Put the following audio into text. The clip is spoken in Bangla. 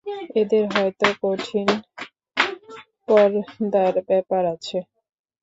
এদের হয়তো কঠিন পর্দার ব্যাপার আছে।